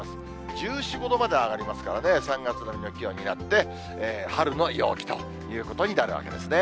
１４、５度まで上がりますからね、３月並みの気温になって、春の陽気ということになるわけですね。